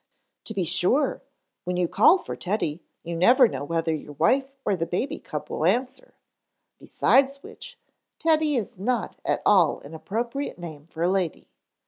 "To be sure, when you call for Teddy, you never know whether your wife or the baby cub will answer. Besides which, Teddy is not at all an appropriate name for a lady.